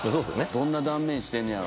どんな断面してんねやろ。